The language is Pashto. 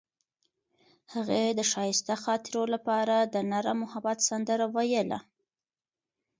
هغې د ښایسته خاطرو لپاره د نرم محبت سندره ویله.